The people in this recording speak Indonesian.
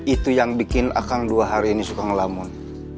itu yang bikin akang dua hari ini suka ngelammon